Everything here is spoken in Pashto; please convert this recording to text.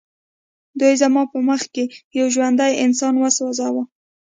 دوی زما په مخ کې یو ژوندی انسان وسوځاوه